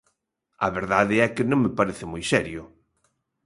A verdade é que non me parece moi serio.